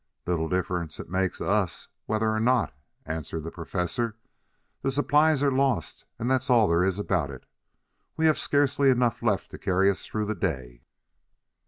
"Little difference it makes to us whether or not," answered the Professor. "The supplies are lost and that's all there is about it. We have scarcely enough left to carry us through the day."